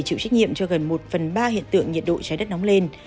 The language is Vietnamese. chịu trách nhiệm cho gần một phần ba hiện tượng nhiệt độ trái đất nóng lên